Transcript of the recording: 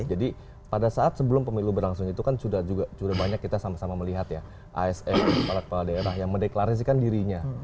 jadi pada saat sebelum pemilu berlangsung itu kan sudah banyak kita sama sama melihat ya asm kepala kepala daerah yang mendeklarasikan dirinya